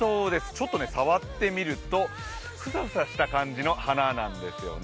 ちょっと触ってみると、ふさふさした感じの花なんです。